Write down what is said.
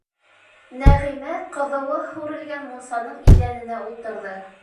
Нәғимә ҡыҙыуы һүрелгән мунсаның иҙәненә ултырҙы.